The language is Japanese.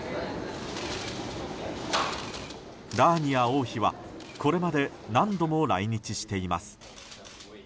ラーニア王妃はこれまで何度も来日しています。